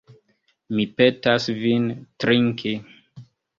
Mi petas vin trinki.